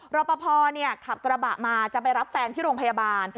รอปภขับกระบะมาจะไปรับแฟนที่โรงพยาบาล